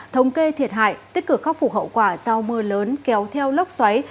thống kê thiệt hại tích cực khắc phục hậu quả sau mưa lớn kéo theo lốc xoáy